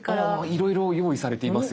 いろいろ用意されていますよね。